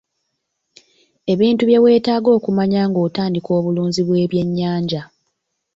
Ebintu bye weetaaga okumanya ng'otandika obulunzi bw'ebyennyanja.